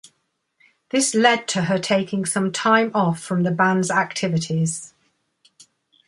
This led to her taking some time off from the band's activities.